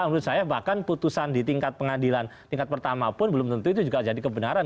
menurut saya bahkan putusan di tingkat pengadilan tingkat pertama pun belum tentu itu juga jadi kebenaran